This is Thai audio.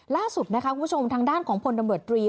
ล่าสุดนะคะคุณผู้ชมทางด้านของพลตำรวจตรี